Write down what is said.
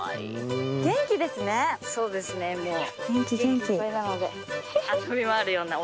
そうですねもう。